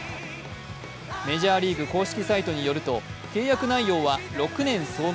メジャーリーグ公式サイトによると、契約内容は６年総額